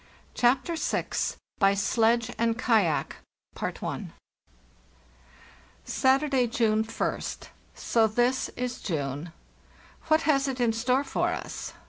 CHAPTER VI BY SLEDGE AND KAYAK " SaTuRDAY, June Ist. So this is June. What has it in store for us?